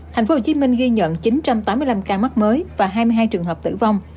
tp hcm ghi nhận chín trăm tám mươi năm ca mắc mới và hai mươi hai trường hợp tử vong